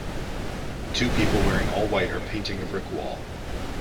Two people wearing all white are painting a brick wall.